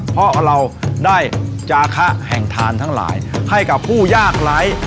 เพราะเราได้จาคะแห่งทานทั้งหลายให้กับผู้ยากไร้